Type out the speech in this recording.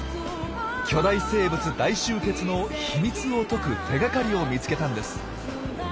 巨大生物大集結の秘密を解く手がかりを見つけたんです。